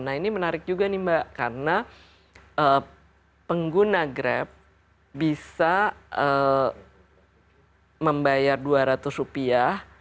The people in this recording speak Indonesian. nah ini menarik juga nih mbak karena pengguna grab bisa membayar dua ratus rupiah